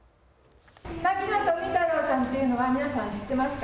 牧野富太郎さんっていうのは皆さん、知ってますか？